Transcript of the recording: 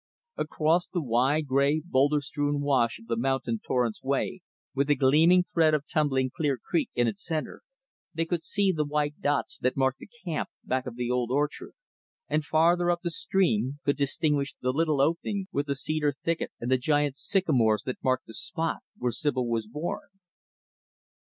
Across the wide, gray, boulder strewn wash of the mountain torrent's way, with the gleaming thread of tumbling Clear Creek in its center, they could see the white dots that marked the camp back of the old orchard; and, farther up the stream, could distinguish the little opening with the cedar thicket and the giant sycamores that marked the spot where Sibyl was born.